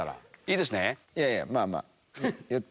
いやいやまぁまぁ。